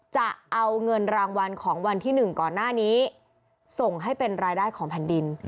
จะเอาเงินรางวัลของวันที่๑ก่อนหน้านี้ส่งให้เป็นรายได้ของแผ่นดิน